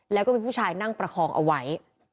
แล้วก็มีผู้ชายนั่งประคองเอาไว้